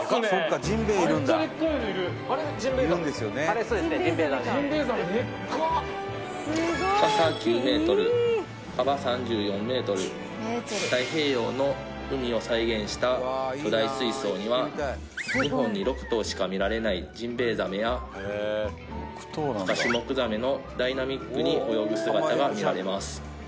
ジンベエザメ太平洋の海を再現した巨大水槽には日本に６頭しか見られないジンベエザメやアカシュモクザメのダイナミックに泳ぐ姿が見られます